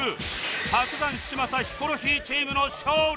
伯山嶋佐ヒコロヒーチームの勝利！